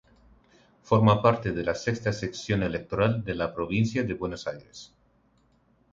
Forma parte de la Sexta Sección Electoral de la Provincia de Buenos Aires.